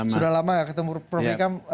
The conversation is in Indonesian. sudah lama gak ketemu profi kam